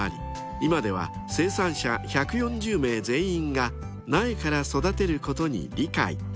今では生産者１４０名全員が苗から育てることに理解］